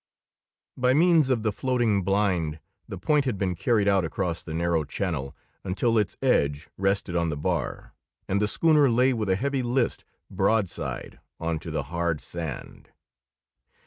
By means of the floating blind the Point had been carried out across the narrow channel until its edge rested on the bar; and the schooner lay with a heavy list broadside on to the hard sand.